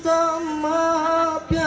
kami menibatkan gereja